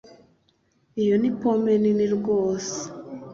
Iyo ni pome nini rwose